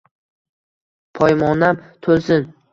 poymonam to’lsin.